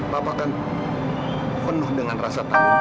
papa kan penuh dengan rasa tanggung jawab